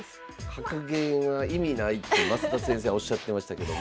「格言は意味ない」って増田先生おっしゃってましたけども。